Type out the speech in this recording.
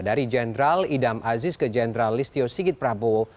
dari jendral idam aziz ke jendral listio sigit prabowo